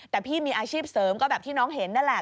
แต่พี่มีอาชีพเสริมก็แบบที่น้องเห็นนั่นแหละ